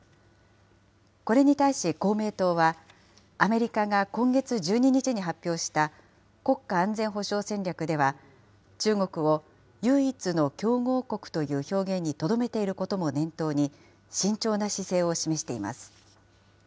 これに対し公明党は、アメリカが今月１２日に発表した国家安全保障戦略では、中国を唯一の競合国という表現にとどめていることも念頭に慎重な姿勢を示しています。